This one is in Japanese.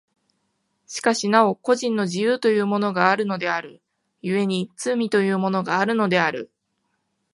しかしなお個人の自由というものがあるのである、故に罪というものがあるのである。